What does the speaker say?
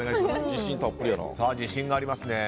自信がありますね。